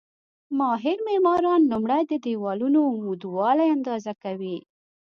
ماهر معماران لومړی د دېوالونو عمودوالی اندازه کوي.